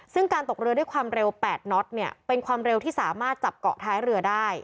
ซึ่งการตกเรือด้วยความเร็ว๘น็อตเนี่ยเป็นความเร็วที่สามารถจับเกาะท้ายเรือได้